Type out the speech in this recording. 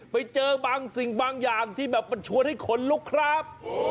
ไปเจอบางสิ่งบางอย่างที่แบบมันชวนให้ขนลุกครับ